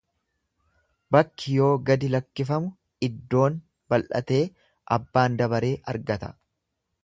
Bakki yoo gadi lakkiffamu iddoon bal'atee abbaan dabaree argata.